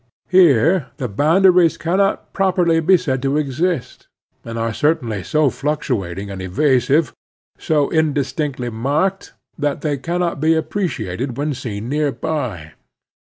Here the boundaries cannot properiy be said to exist, and are certainly so fluctuating and evasive, so indistinctly marked, that they can not be appreciated when seen near by.